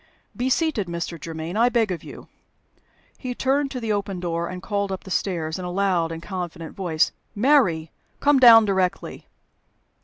"Be seated, Mr. Germaine, I beg of you." He turned to the open door, and called up the stairs, in a loud and confident voice: "Mary! come down directly."